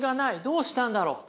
どうしたんだろう？